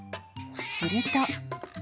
すると。